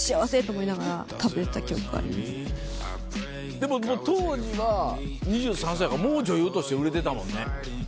でも当時は２３歳だからもう女優として売れてたもんね。